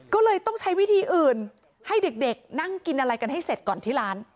ก็เลยต้องใช้วิธีอื่นให้เด็กนั่งกินอะไรกันให้เสร็จก่อนที่ร้าน